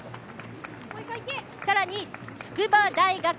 さらに、筑波大学。